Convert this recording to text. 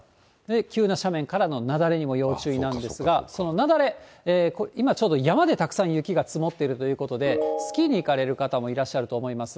急な斜面からの雪崩にも要注意なんですが、その雪崩、今ちょうど、山でたくさん雪が積もっているということで、スキーに行かれる方もいらっしゃると思います。